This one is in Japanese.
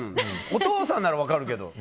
お父さんなら分かるけど。